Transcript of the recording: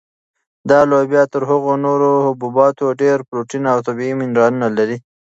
دا لوبیا تر هغو نورو حبوباتو ډېر پروټین او طبیعي منرالونه لري.